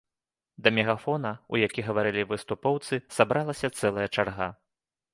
Да мегафона, у які гаварылі выступоўцы, сабралася цэлая чарга.